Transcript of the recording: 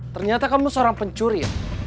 ternyata kamu seorang pencuri